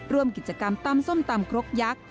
ร่วมกิจกรรมตำส้มตำครกยักษ์